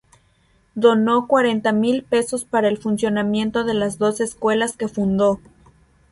Donó cuarenta mil pesos para el funcionamiento de las dos escuelas que fundó.